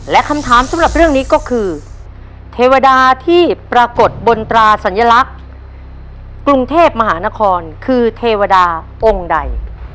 และคำถามสำหรับเรื่องนี้ก็คือเทวดาที่ปรากฏบนตราสัญลักษณ์กรุงเทพมหานครคือเทวดาองค์ใด